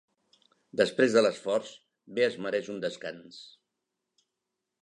Després de l'esforç, bé es mereix un descans.